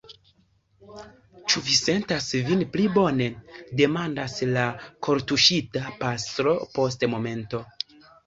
Ĉu vi sentas vin pli bone? demandas la kortuŝita pastro post momento.